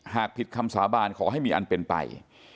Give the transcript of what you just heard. หากผิดคำสาบานขอให้มีอันเป็นไป